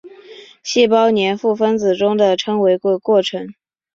细胞黏附分子中的称为的过程。